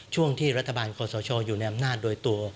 ช่วงที่รัฐบาลคอสชอยู่ในอำนาจโดยตัว